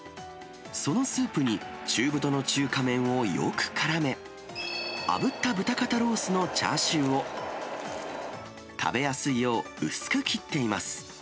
そのスープに、中太の中華麺をよくからめ、あぶった豚肩ロースのチャーシューを、食べやすいよう、薄く切っています。